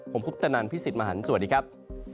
ผมคุปตนันพี่สิทธิ์มหันฯสวัสดีครับ